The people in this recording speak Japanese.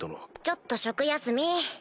ちょっと食休み。